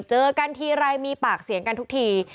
เจอกันทีไรมีปากเสียงกันทุกที